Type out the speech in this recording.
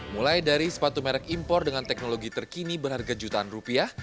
mulai dari sepatu merek impor dengan teknologi terkini berharga jutaan rupiah